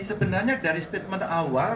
sebenarnya dari statement awal